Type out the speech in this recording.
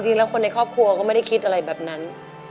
จริงแล้วคนในครอบครัวก็ไม่ได้คิดอะไรแบบนั้น